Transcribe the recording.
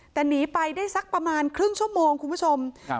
แต่หนีไปได้สักประมาณครึ่งชั่วโมงคุณผู้ชมครับ